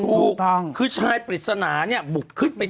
โอ้โฮคือชายปริศนาบุกขึ้นไป